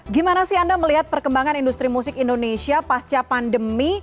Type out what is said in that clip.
gimana sih anda melihat perkembangan industri musik indonesia pasca pandemi